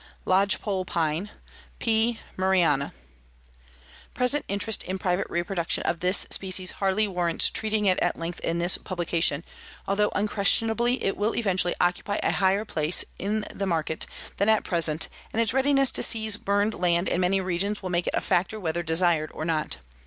LODGEPOLE PINE (P. Murrayana) Present interest in private reproduction of this species hardly warrants treating it at length in this publication, although unquestionably it will eventually occupy a higher place in the market than at present and its readiness to seize burned land in many regions will make it a factor whether desired or not.